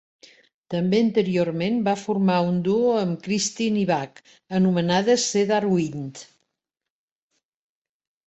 També anteriorment va formar un duo amb Christine Ibach anomenada Cedar Wind.